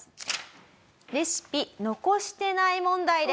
レシピ残してない問題です。